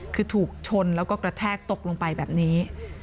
คือถูกชนแล้วก็กระแทกตกลงไปแบบนี้